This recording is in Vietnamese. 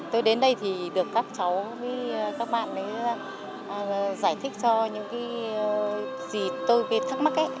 tôi đến đây thì được các cháu với các bạn giải thích cho những gì tôi bị thắc mắc